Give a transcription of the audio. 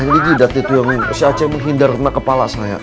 ini lihat tuh si aceng menghindar renak kepala saya